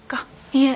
いえ。